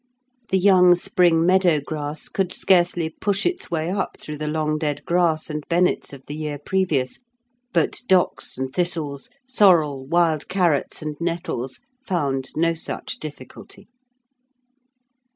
The young spring meadow grass could scarcely push its way up through the long dead grass and bennets of the year previous, but docks and thistles, sorrel, wild carrots, and nettles, found no such difficulty.